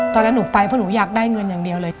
ตอนนั้นหนูไปเพราะหนูอยากได้เงินอย่างเดียวเลย